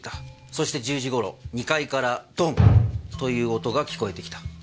そして１０時頃２階からドン！という音が聞こえてきた。